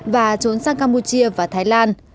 và trốn sang campuchia và thái lan